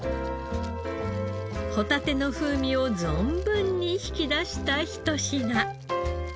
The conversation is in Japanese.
ホタテの風味を存分に引き出した一品。